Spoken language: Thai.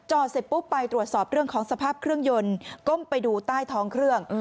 เสร็จปุ๊บไปตรวจสอบเรื่องของสภาพเครื่องยนต์ก้มไปดูใต้ท้องเครื่อง